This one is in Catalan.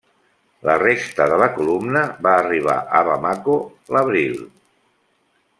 La resta de la columna va arribar a Bamako l’abril.